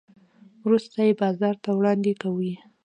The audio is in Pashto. وروسته یې بازار ته وړاندې کوي.